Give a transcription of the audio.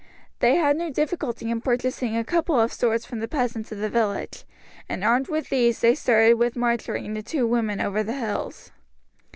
They had no difficulty in purchasing a couple of swords from the peasants of the village, and armed with these they started with Marjory and the two women over the hills.